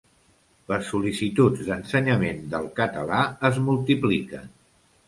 Les sol·licituds d'ensenyament del català es multipliquen.